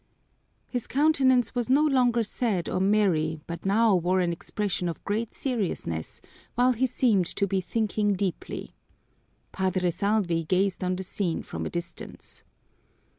His countenance was no longer sad or merry but now wore an expression of great seriousness, while he seemed to be thinking deeply. Padre Salvi gazed on the scene from a distance.